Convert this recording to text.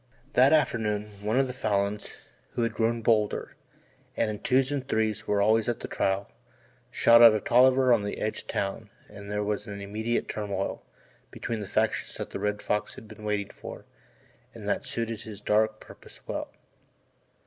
That afternoon one of the Falins, who had grown bolder, and in twos and threes were always at the trial, shot at a Tolliver on the edge of town and there was an immediate turmoil between the factions that the Red Fox had been waiting for and that suited his dark purposes well.